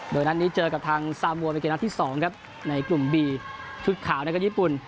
โดยนัดนี้เจอกับทางซามัวเป็นเกมนัดที่๒ครับในกลุ่มบีชุดขาวนะครับญี่ปุ่น